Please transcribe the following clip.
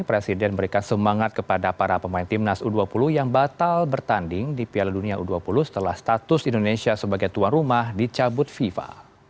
presiden memberikan semangat kepada para pemain timnas u dua puluh yang batal bertanding di piala dunia u dua puluh setelah status indonesia sebagai tuan rumah dicabut fifa